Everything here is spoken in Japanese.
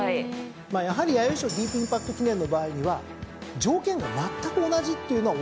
やはり弥生賞ディープインパクト記念の場合には条件がまったく同じっていうのは大きいですよね。